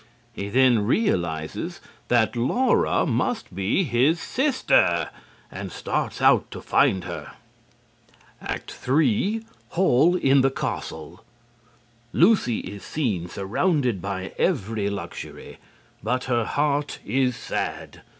He then realizes that Laura must be his sister, and starts out to find her. ACT 3 Hall in the Castle. Lucy is seen surrounded by every luxury, but her heart is sad.